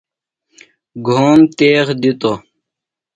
گھوم تیغ دِتوۡ۔